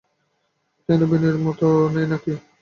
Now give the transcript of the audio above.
কেন, বিনয়ের মত নেই নাকি?